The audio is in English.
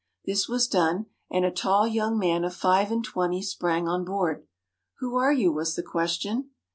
This was done, and a tall young man of five and twenty sprang on board. "Who are you?" was the question.